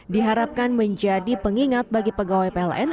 diharapkan menjadi pengingat bagi pegawai pln